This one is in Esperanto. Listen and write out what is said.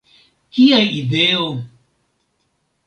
Kia ideo!